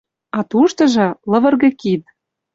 А туштыжо — лывырге кид...